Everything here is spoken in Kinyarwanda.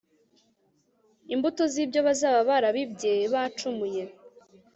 imbuto zibyo bazaba barabibye Bacumuye